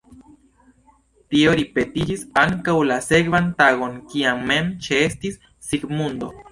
Tio ripetiĝis ankaŭ la sekvan tagon, kiam mem ĉeestis Sigmundo.